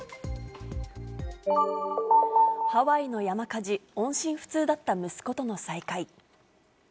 ハワイの山火事、音信不通だった息子との再会。